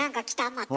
また。